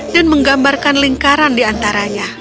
dan menggambarkan lingkaran di antaranya